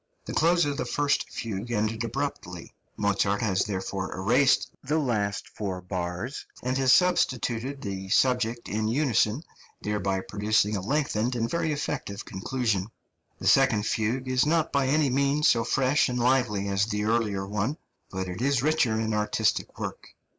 The close of the first fugue ended abruptly; Mozart has therefore erased the last four bars, and has substituted the subject in unison, thereby producing a lengthened and very effective conclusion. The second fugue is not by any means so fresh and lively as the earlier one, but it is richer in artistic work.